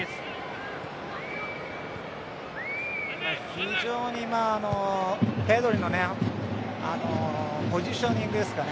非常にペドリのポジショニングですかね。